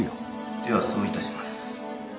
ではそう致します。